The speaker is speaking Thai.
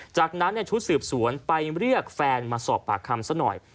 จากนั้นชุดสืบสวนไปเรียกแฟนมาสอบปากคำซะหน่อย